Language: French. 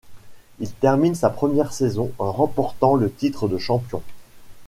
Il termine sa première saison en remportant le titre de champion.